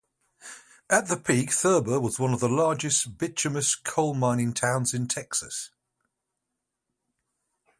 At the peak, Thurber was one of the largest bituminous coal-mining towns in Texas.